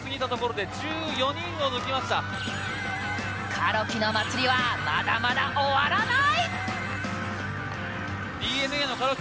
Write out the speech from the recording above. カロキの祭りはまだまだ終わらない。